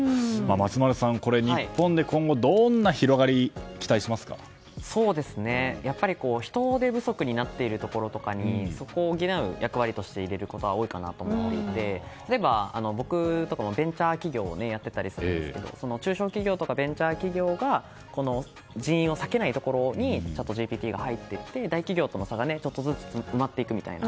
松丸さん、今後日本でどんな広がりをやっぱり、人手不足になっているところとかにそこを補う役割として入れることは多いかなと思ってて例えば僕とかもベンチャー企業をやっていたりしますが中小企業とかベンチャー企業が人員を割けないところにチャットＧＰＴが入っていって大企業との差がちょっとずつ埋まっていくみたいな。